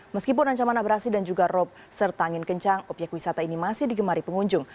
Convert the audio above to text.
meskipun ancaman abrasi dan juga rob sertangin kencang obyek wisata ini masih digemari pengunjung